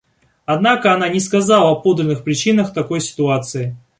Однако она не сказала о подлинных причинах такой ситуации.